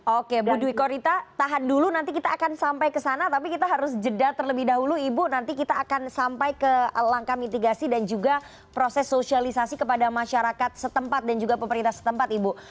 oke bu dwi korita tahan dulu nanti kita akan sampai ke sana tapi kita harus jeda terlebih dahulu ibu nanti kita akan sampai ke langkah mitigasi dan juga proses sosialisasi kepada masyarakat setempat dan juga pemerintah setempat ibu